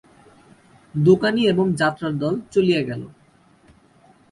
দোকানি এবং যাত্রার দল চলিয়া গেল।